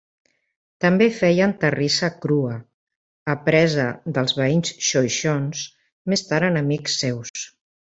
També feien terrissa crua, apresa dels veïns xoixons, més tard enemics seus.